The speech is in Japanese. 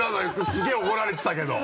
すげぇ怒られてたけど。